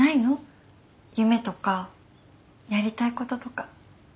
夢とかやりたいこととか。